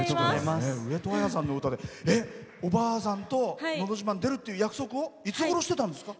上戸彩さんの歌でおばあさんと「のど自慢」出るっていう約束をいつごろしてたんですか？